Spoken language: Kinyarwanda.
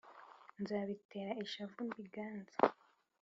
nzabitere ishavu mbiganze